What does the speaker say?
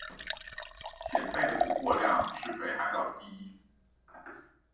蚬贝的补获量是北海道第一。